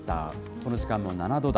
この時間も７度台。